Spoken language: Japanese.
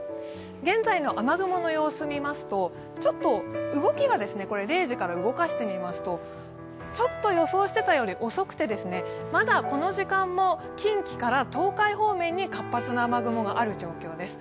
現在の雨雲の様子を見ますと０時から動かしてみると、ちょっと予想していたより動きが遅くて、まだこの時間も近畿から東海方面に活発な雨雲がある状況です。